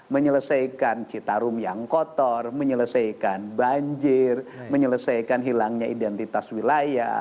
menyelesaikan citarum yang kotor menyelesaikan banjir menyelesaikan hilangnya identitas wilayah